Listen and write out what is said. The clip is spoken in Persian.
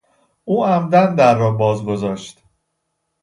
او عمدا در را باز گذاشت.